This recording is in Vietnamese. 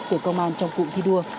của công an trong cụm thi đua